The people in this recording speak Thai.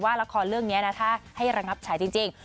ละครเรื่องนี้นะถ้าให้ระงับฉายจริง